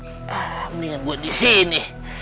mendingan gue disini